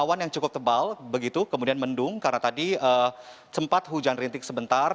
awan yang cukup tebal begitu kemudian mendung karena tadi sempat hujan rintik sebentar